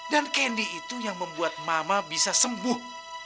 dan candy itu yang membuat mama bisa sembuh